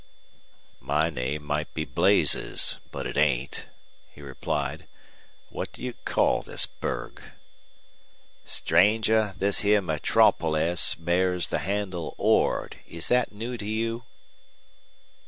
"My name might be Blazes, but it ain't," he replied. "What do you call this burg?" "Stranger, this heah me tropoles bears the handle Ord. Is thet new to you?"